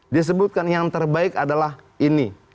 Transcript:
dia sebutkan yang terbaik adalah ini